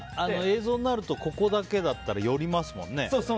映像になるとここだけだったら寄りますもんね。